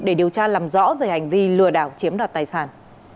để điều tra làm rõ về hành vi lừa đảo chiếm đoạt tài sản